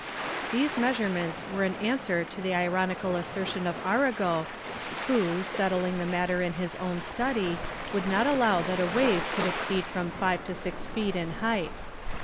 These measurements were an answer to the ironical assertion of Arago, who, settling the matter in his own study, would not allow that a wave could exceed from five to six feet in height.